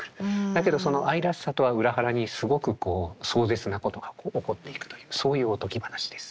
だけどその愛らしさとは裏腹にすごくこう壮絶なことが起こっていくというそういうおとぎ話です。